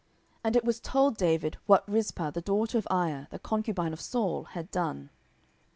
10:021:011 And it was told David what Rizpah the daughter of Aiah, the concubine of Saul, had done.